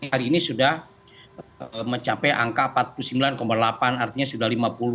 hari ini sudah mencapai angka empat puluh sembilan delapan artinya sudah lima puluh